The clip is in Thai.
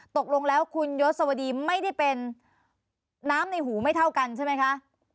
ตกลงแล้วคุณยศวดีไม่ได้เป็นน้ำในหูไม่เท่ากันใช่ไหมคะ